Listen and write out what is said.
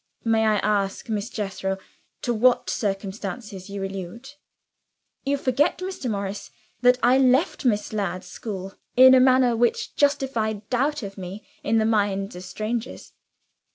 "May I ask, Miss Jethro, to what circumstances you allude?" "You forget, Mr. Morris, that I left Miss Ladd's school, in a manner which justified doubt of me in the minds of strangers."